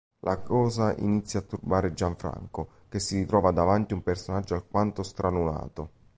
La cosa inizia a turbare Gianfranco che si ritrova davanti un personaggio alquanto stralunato.